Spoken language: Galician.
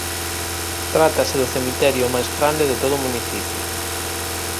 Trátase do cemiterio máis grande de todo o municipio.